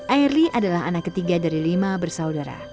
airly adalah anak ketiga dari lima bersaudara